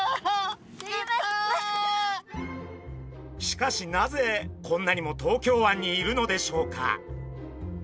しかしなぜこんなにも東京湾にいるのでしょうか？